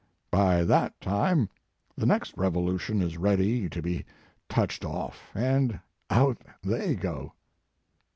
By that time the next revolution is ready to be touched off, and out they go."